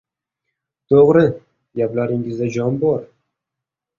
— To‘g‘ri, gaplaringizda jon bor.